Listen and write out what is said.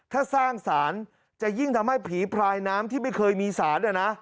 ถ้าสร้างสารจะยิ่งทำให้ผีพลายน้ำที่ไม่เคยมีสาร